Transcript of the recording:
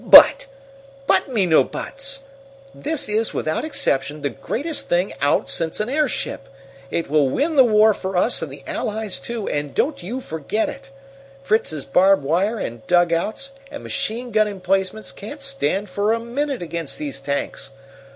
'But me no buts!' This is, without exception, the greatest thing out since an airship. It will win the war for us and the Allies, too, and don't you forget it! Fritz's barbed wire and dugouts and machine gun emplacements can't stand for a minute against these tanks!